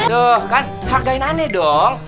tuh kan hargain aneh dong